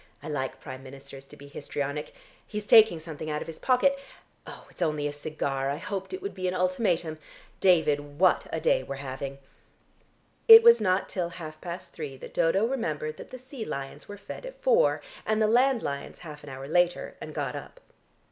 I like Prime Ministers to be histrionic. He's taking something out of his pocket. It's only a cigar; I hoped it would be an ultimatum. David, what a day we're having!" It was not till half past three that Dodo remembered that the sea lions were fed at four, and the land lions half an hour later, and got up.